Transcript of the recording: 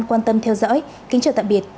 quan tâm theo dõi kính chào tạm biệt